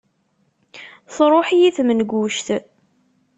Truḥ-iyi tmenguct.